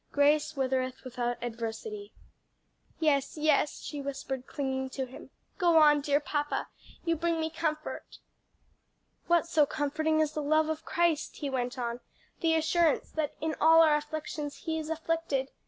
Grace withereth without adversity.'" "Yes, yes," she whispered, clinging to him. "Go on, dear papa, you bring me comfort." "What so comforting as the love of Christ!" he went on; "the assurance that 'in all our afflictions He is afflicted!'